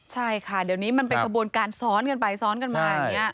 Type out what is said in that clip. ใช่ค่ะเดี๋ยวนี้มันเป็นกระบวนการซ้อนกันไปซ้อนกันมาอย่างนี้